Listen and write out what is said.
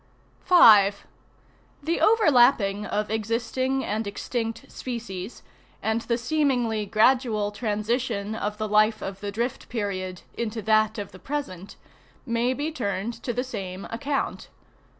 5. The overlapping of existing and extinct, species, and the seemingly gradual transition of the life of the drift period into that of the present, may be turned to the same account.